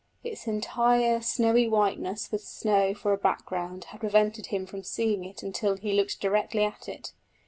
Its entire snowy whiteness with snow for a background had prevented him from seeing it until he looked directly at it.